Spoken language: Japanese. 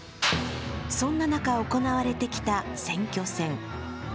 そんな中行われてきた選挙戦。